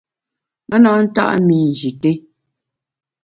A na nta’ mi Nji té.